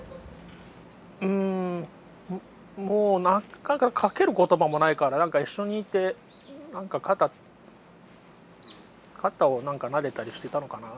うんもうかける言葉もないからなんか一緒にいて肩をなでたりしてたのかなぁ。